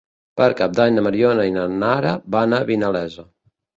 Per Cap d'Any na Mariona i na Nara van a Vinalesa.